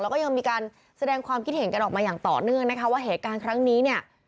แล้วก็ยังมีการแสดงความคิดเห็นกันออกมาอย่างต่อเนื่องนะคะว่าเหตุการณ์ครั้งนี้เนี่ย